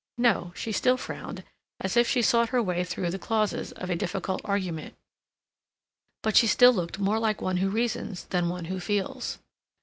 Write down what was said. No; she still frowned, as if she sought her way through the clauses of a difficult argument, but she still looked more like one who reasons than one who feels.